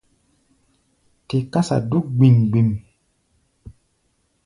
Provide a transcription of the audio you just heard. Te kása dúk gbím-gbím.